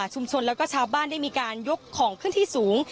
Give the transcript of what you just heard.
ชุมชนและชาวบ้านได้มีการยกของเครื่องที่สูง